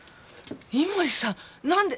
井森さんなんで？